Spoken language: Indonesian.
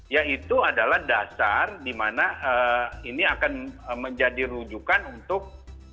ya itu adalah dasar dimana ini akan menjadi rujukan untuk